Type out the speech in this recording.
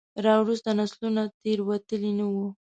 راوروسته نسلونو تېروتلي نه وو.